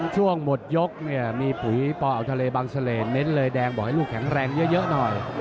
ช่วงหมดยกเนี่ยมีปุ๋ยปอเอาทะเลบังเสล่เน้นเลยแดงบอกให้ลูกแข็งแรงเยอะหน่อย